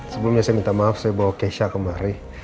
sebelumnya saya minta maaf saya bawa kesha kemari